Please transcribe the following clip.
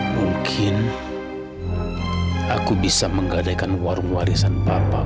mungkin aku bisa menggadaikan warung warisan papa